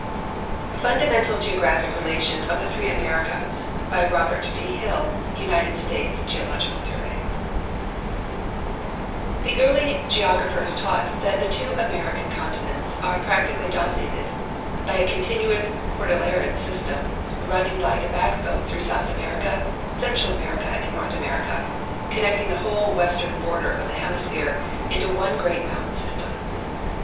FUNDAMENTAL GEOGRAPHIC RELATION OF THE THREE AMERICAS By Robert T. Hill, United Stntea Geological Snrveg The earl\' geographers taught that the two American conti nents are i»ractically dominated l)y a continuous cordilleran system, running like a liackbone through South America, Central America, and North America, connecting the Avhole AA'estern l)order of the hemisphere into one great mountain system.